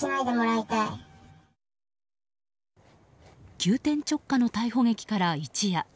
急転直下の逮捕劇から一夜。